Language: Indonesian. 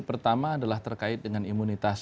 pertama adalah terkait dengan imunitas